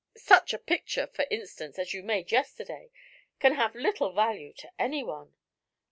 Such a picture, for instance, as you made yesterday can have little value to anyone."